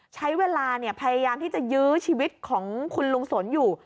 ใช้เวลาพยายามที่จะยื้อชีวิตของคุณลุงสนอยู่